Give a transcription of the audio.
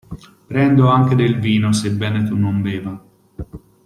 Prendo anche del vino, sebbene tu non beva.